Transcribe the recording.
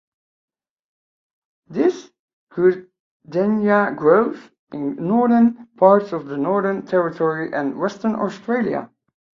This goodenia grows in northern parts of the Northern Territory and Western Australia.